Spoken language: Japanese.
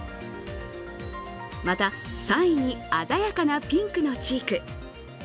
また、３位に鮮やかなピンクのチーク。